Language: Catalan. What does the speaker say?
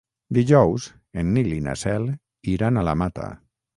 Dijous en Nil i na Cel iran a la Mata.